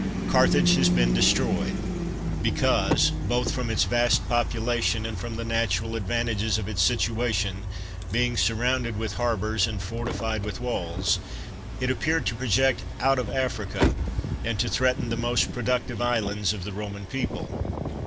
Carthage has been destroyed, because, both from its vast population, and from the natural advantages of its situation, being surrounded with harbors, and fortified with walls, it ap peared to project out of Africa, and to threaten the most productive islands of the Roman people.